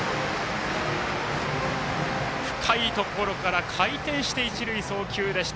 深いところから回転して一塁送球でした。